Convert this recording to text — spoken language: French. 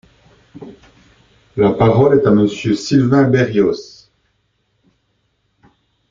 La parole est à Monsieur Sylvain Berrios.